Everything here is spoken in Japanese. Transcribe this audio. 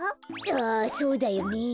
ああそうだよねえ。